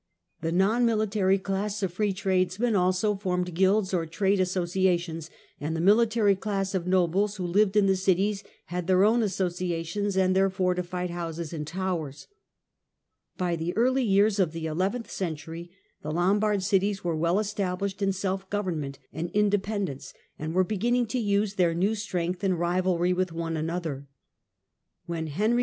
The non military class of free tradesmen also formed guilds or trade associations, and the military class of nobles who lived in the cities, had their own associa tions and their fortified houses and towers. By the early years of the eleventh century the Lombard cities were well established in self government and independ ence, and were beginning to use their new strength in rivalry with one another. When Henry II.